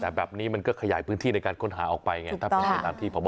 แต่แบบนี้มันก็ขยายพื้นที่ในการค้นหาออกไปไง